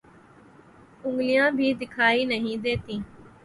انگلیاں بھی دیکھائی نہیں دیتی